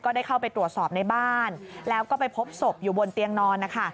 ได้เข้าไปตรวจสอบในบ้านแล้วก็ไปพบศพอยู่บนเตียงนอนนะคะ